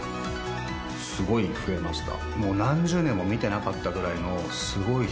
すごい増えました。